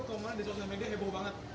kalau malah di sosial media heboh banget